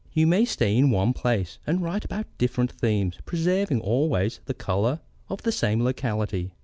You may stay in one place and write about different themes, preserving always the colour of the same locality.